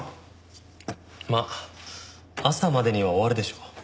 まあ朝までには終わるでしょう。